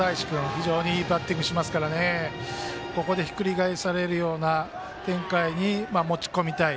非常にいいバッティングしますからここでひっくり返されるような展開に持ち込みたい。